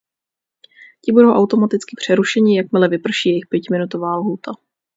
Ti budou automaticky přerušeni, jakmile vyprší jejich pětiminutová lhůta.